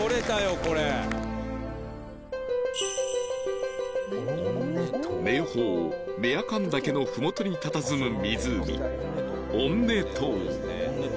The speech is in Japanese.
これ名峰雌阿寒岳の麓にたたずむ湖オンネトー